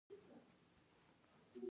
او ورزش